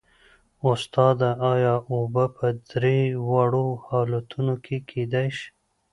استاده ایا اوبه په درې واړو حالتونو کې کیدای شي